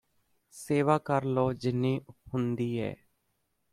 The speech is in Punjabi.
ਸੇਵਾ ਕਰ ਲਓ ਜਿੰਨੀ ਹੁੰਦੀ ਐ